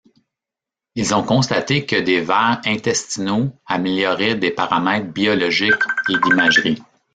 Ils ont constaté que des vers intestinaux amélioraient des paramètres biologiques et d'imagerie.